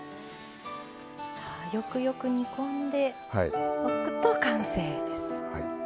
さあよくよく煮込んでおくと完成です。